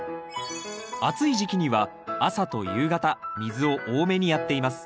暑い時期には朝と夕方水を多めにやっています。